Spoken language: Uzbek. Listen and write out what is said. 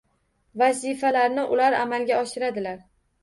Vazifalarni ular amalga oshiradilar